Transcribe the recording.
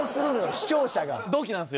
視聴者が。